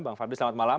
bang fadli selamat malam